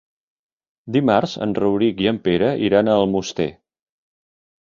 Dimarts en Rauric i en Pere iran a Almoster.